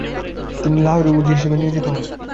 তিনি লাহোরের উজির হিসেবে নিয়োজিত হন।